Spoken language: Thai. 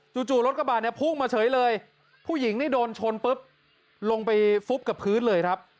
จู่รถกระบาดเนี่ยพุ่งมาเฉยเลยผู้หญิงนี่โดนชนปุ๊บลงไปฟุบกับพื้นเลยครับ